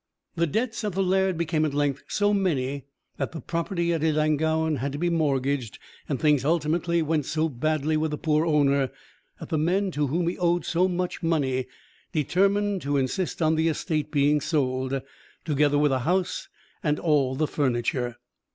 The debts of the laird became at length so many that the property at Ellangowan had to be mortgaged, and things ultimately went so badly with the poor owner, that the men to whom he owed so much money determined to insist on the estate being sold, together with the house and all the furniture.